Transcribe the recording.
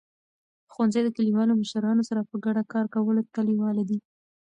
ښوونځي د کلیوالو مشرانو سره په ګډه کار کولو ته لیواله دي.